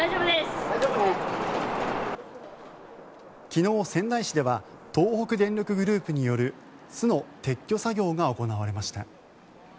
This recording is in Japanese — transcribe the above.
昨日、仙台市では東北電力グループによる巣の撤去作業が行われました。